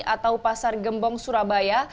atau pasar gembong surabaya